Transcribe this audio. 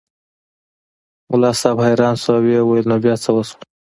ملا صاحب حیران شو او ویې ویل نو بیا څه وشول.